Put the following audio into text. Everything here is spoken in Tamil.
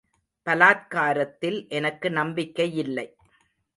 பலாத்காரத்தில் எனக்கு நம்பிக்கையில்லை.